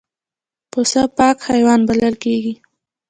پسه پاک حیوان بلل کېږي.